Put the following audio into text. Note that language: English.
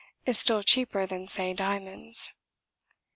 is still cheaper than, say, diamonds.